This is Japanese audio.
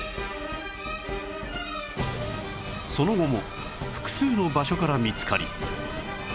その後も複数の場所から見つかり